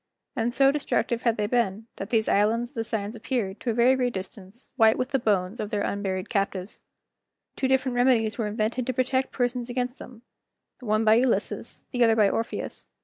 And so destructive had they been, that these islands of the Sirens appeared, to a very great distance, white with the bones of their unburied captives. Two different remedies were invented to protect persons against them, the one by Ulysses, the other by Orpheus.